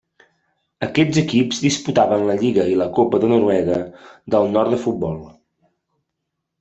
Aquests equips disputaven la Lliga i la Copa de Noruega del Nord de futbol.